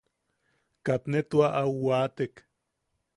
Kat ne tua au waatek.